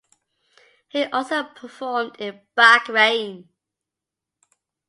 He also performed in Bahrain.